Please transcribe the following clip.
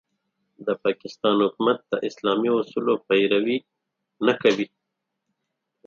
د پاکستان حکومت د اسلامي اصولو پيروي کوي.